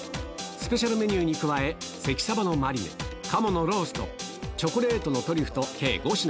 スペシャルメニューに加え、関サバのマリネ、鴨のロースト、チョコレートのトリュフと、計５品。